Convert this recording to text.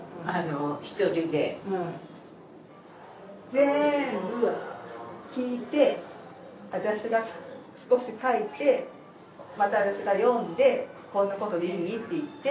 全部聞いて私が少し書いてまた私が読んでこんなことでいい？って言って。